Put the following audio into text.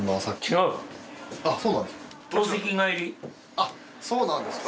あっそうなんですか。